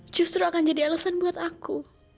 justru akan jadi alasan buat aku